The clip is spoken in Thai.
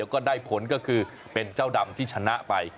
ก็คือเป็นเจ้าดำที่ชนะไป